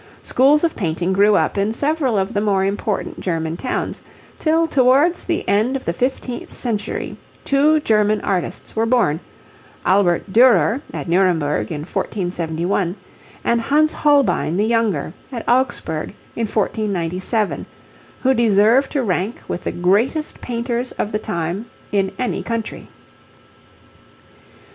Schools of painting grew up in several of the more important German towns, till towards the end of the fifteenth century two German artists were born, Albert Durer at Nuremberg in 1471, and Hans Holbein the younger at Augsburg in 1497, who deserve to rank with the greatest painters of the time in any country.